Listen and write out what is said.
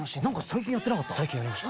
最近やりました。